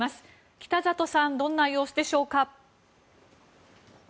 北里さんどんな様子でしょうか。